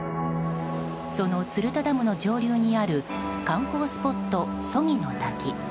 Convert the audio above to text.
その鶴田ダムの上流にある観光スポット、曽木の滝。